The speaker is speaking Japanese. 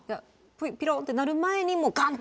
ピロンって鳴る前にもうガンッと。